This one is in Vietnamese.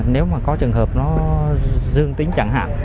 nếu mà có trường hợp nó dương tính chẳng hạn